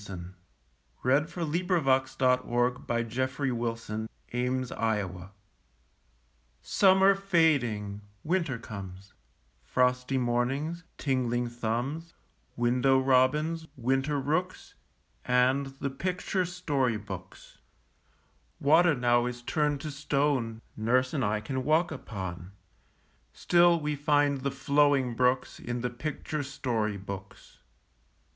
How great and cool the rooms! PICTURE BOOKS IN WINTER Summer fading, winter comes Frosty mornings, tingling thumbs, Window robins, winter rooks, And the picture story books. Water now is turned to stone Nurse and I can walk upon; Still we find the flowing brooks In the picture story books.